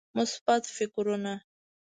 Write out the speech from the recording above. مثبت فکرونه